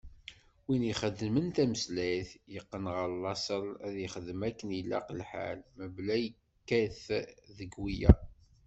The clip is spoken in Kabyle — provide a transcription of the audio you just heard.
Win ixeddmen tameslayt, yeqqen ɣer laṣel ad t-yexdem akken ilaq lḥal, mebla ma yekkat deg wiyaḍ.